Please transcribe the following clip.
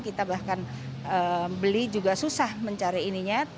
kita bahkan beli juga susah mencari ininya